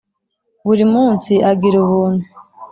Buri munsi agira ubuntu